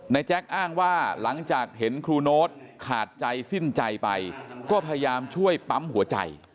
แจ๊คอ้างว่าหลังจากเห็นครูโน๊ตขาดใจสิ้นใจไปก็พยายามช่วยปั๊มหัวใจ